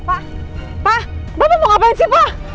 pak bapak mau ngapain sih pak